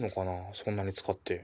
そんなに使って。